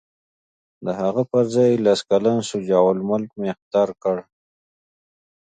د هغه پر ځای یې لس کلن شجاع الملک مهتر کړ.